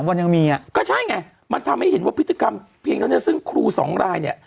ว่าพฤติกรรมเพียงแล้วเนี่ยซึ่งครูสองรายเนี่ย